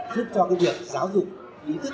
giúp cho việc giáo dục